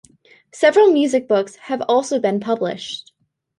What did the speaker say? Several music books have also been published.